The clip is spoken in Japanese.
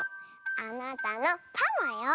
あなたのパマよ。